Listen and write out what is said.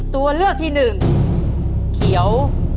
ตัวเลือกที่หนึ่งเขียว